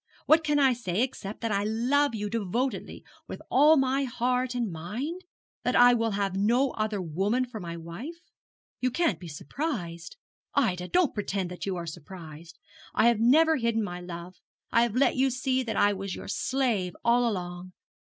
What can I say, except that I love you devotedly, with all my heart and mind? that I will have no other woman for my wife? You can't be surprised. Ida, don't pretend that you are surprised. I have never hidden my love, I have let you see that I was your slave all along.